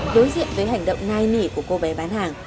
đối diện với hành động nai nỉ của cô bé bán hàng